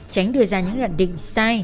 tránh đưa ra những đoạn định sai